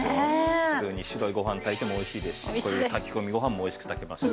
普通に白いご飯を炊いてもおいしいですしこういう炊き込みご飯もおいしく炊けますし。